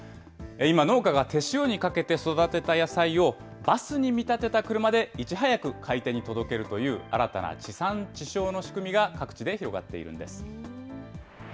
今、農家が手塩にかけて育てた野菜を、バスに見立てた車でいち早く買い手に届けるという、新たな地産地消の仕組みが各地で広がっているんです。